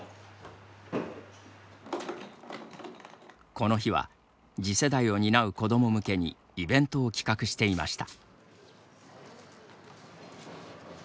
この日は次世代を担う子ども向けにイベントを企画していました。